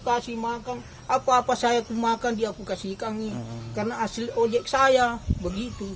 kasih makan apa apa saya makan dikasihkan karena asil ojek saya